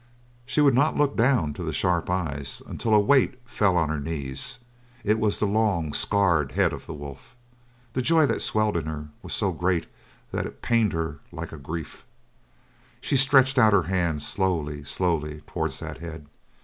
She would not look down to the sharp eyes, until a weight fell on her knees it was the long, scarred head of the wolf! The joy that swelled in her was so great that it pained her like a grief. She stretched out her hand, slowly, slowly towards that head.